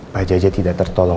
pak jajah tidak tertolong